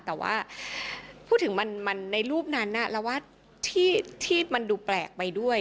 แต่ว่าพูดถึงมันในรูปนั้นเราว่าที่มันดูแปลกไปด้วย